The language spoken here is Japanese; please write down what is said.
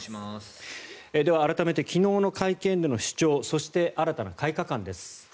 では改めて昨日の会見での主張そして、新たな改革案です。